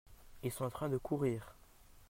ils sont en train de courrir.